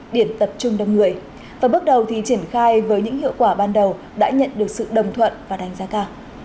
điểm tập trung đông người và bước đầu thì triển khai với những hiệu quả ban đầu đã nhận được sự đồng thuận và đánh giá cao